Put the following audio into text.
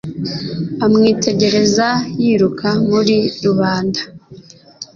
Amwitegereza yiruka muri rubanda